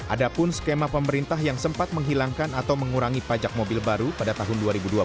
ada pun skema pemerintah yang sempat menghilangkan atau mengurangi pajak mobil baru pada tahun dua ribu dua puluh